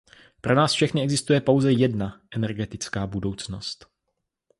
Pro nás všechny existuje pouze jedna energetická budoucnost.